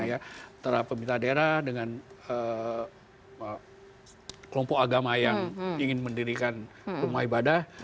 ya terutama peminta daerah dengan kelompok agama yang ingin mendirikan rumah ibadah